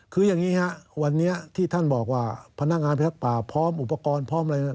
คืออย่างนี้ครับวันนี้ที่ท่านบอกว่าพนักงานพิทักษ์ป่าพร้อมอุปกรณ์พร้อมอะไร